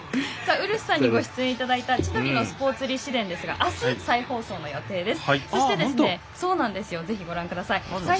ウルフさんにご出演いただいた「千鳥のスポーツ立志伝」ですがあす再放送予定です。